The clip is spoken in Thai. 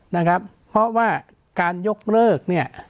นะครับเพราะว่าการยกเลิกเนี่ย